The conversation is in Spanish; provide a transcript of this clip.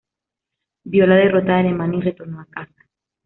Vio la derrota de Alemania y retornó a casa.